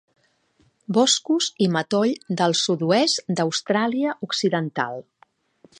Boscos i matoll del sud-oest d'Austràlia Occidental.